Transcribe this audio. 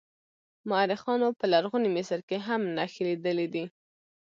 مورخانو په لرغوني مصر کې هم نښې لیدلې دي.